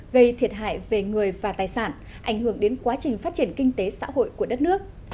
gây thiệt hại về người và tài sản ảnh hưởng đến quá trình phát triển kinh tế xã hội của đất nước